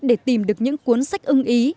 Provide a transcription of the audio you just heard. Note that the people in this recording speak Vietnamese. để tìm được những cuốn sách ưng ý